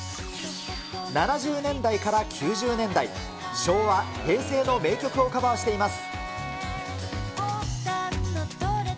７０年代から９０年代、昭和、平成の名曲をカバーしています。